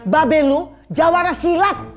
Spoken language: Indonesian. babel lu jawara silat